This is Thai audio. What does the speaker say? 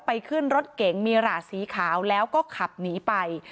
ขึ้นรถเก๋งมีหลาดสีขาวแล้วก็ขับหนีไป